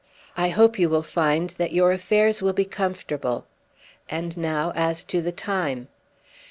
I hope you will find that your affairs will be comfortable. And now as to the time."